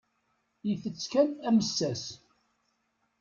Itett kan amessas.